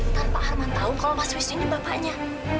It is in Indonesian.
ntar pak arman tahu kalau mas wisnu ini bapaknya